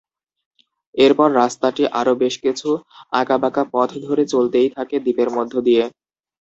এরপর রাস্তাটি আরো বেশকিছু আঁকাবাঁকা পথ ধরে চলতেই থাকে দ্বীপের মধ্য দিয়ে।